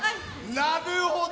なるほど！